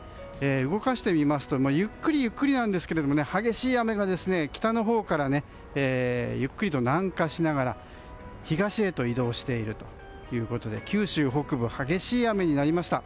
動かしてみますとゆっくり、ゆっくりなんですが激しい雨が北のほうからゆっくりと南下しながら東へと移動しているということで九州北部は激しい雨になりました。